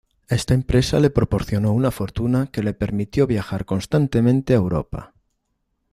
Esta empresa le proporcionó una fortuna que le permitió viajar constantemente a Europa.